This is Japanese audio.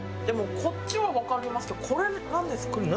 でもこっちはわかりますけどこれなんですか？